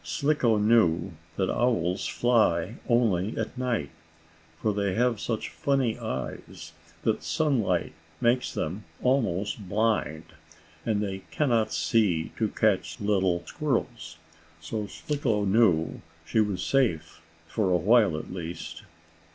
Slicko knew that owls fly only at night, for they have such funny eyes, that sunlight makes them almost blind, and they cannot see to catch little squirrels. So Slicko knew she was safe, for a while, at least.